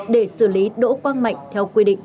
để xử lý đỗ quang mạnh theo quy định